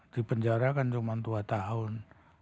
di penjara kan cuma dua tahun